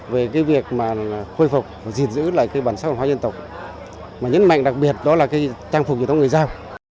về cái việc mà khôi phục và gìn giữ lại cái bản sắc văn hóa dân tộc mà nhấn mạnh đặc biệt đó là cái trang phục truyền thống người giao